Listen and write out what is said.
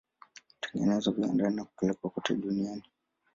Hutengenezwa viwandani na kupelekwa kote duniani.